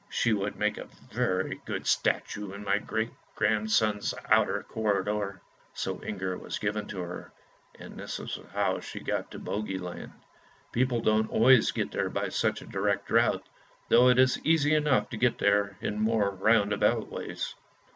She would make a very good statue in my great grand son's outer corridor." So Inger was given to her and this was how she got to Bogey land. People don't always get there by such a direct route, though it is easy enough to get there in more roundabout ways.